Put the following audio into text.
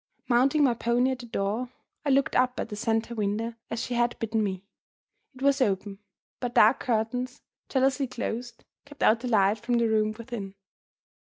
Mounting my pony at the door, I looked up at the center window, as she had bidden me. It was open; but dark curtains, jealously closed, kept out the light from the room within.